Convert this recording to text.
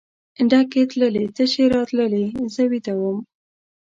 ډکې تللې تشې راتللې زه ویده وم.